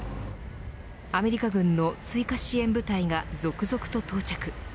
アメリカ軍の追加支援部隊が続々と到着。